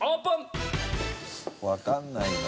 わかんないな。